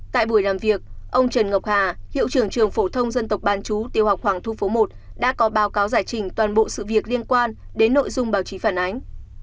tại buổi làm việc ông trần ngọc hà hiệu trưởng trường phổ thông dân tộc bán chú tiểu học hoàng thu phố một đã có báo cáo giải trình toàn bộ sự việc liên quan đến nội dung báo chí phản ánh